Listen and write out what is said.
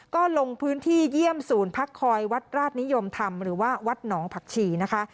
ก็ลงพื้นที่เยี่ยมศูนย์พักคอยวัดราชนิยมธรรมหรือว่าวัดหนองผักชีนะคะ